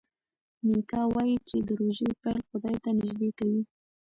میکا وايي چې د روژې پیل خدای ته نژدې کوي.